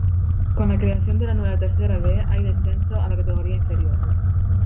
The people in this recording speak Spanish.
Con la creación de la nueva Tercera B, hay descenso a la categoría inferior.